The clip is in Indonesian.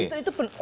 itu itu trigger